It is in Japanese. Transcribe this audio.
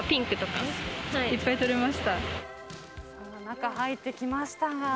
中入ってきました。